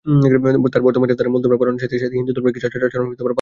তবে বর্তমানে তারা মূল ধর্ম পালনের সাথে সাথে হিন্দু ধর্মের কিছু আচার আচরণ ও পালন করেন।